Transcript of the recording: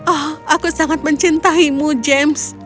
oh aku sangat mencintaimu james